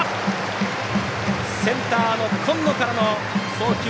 センターの今野からの送球。